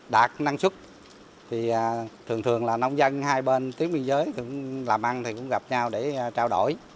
đạt năng suất thì thường thường là nông dân hai bên tuyến biên giới cũng làm ăn thì cũng gặp nhau để trao đổi